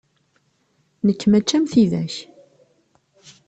Nekk mačči am tidak.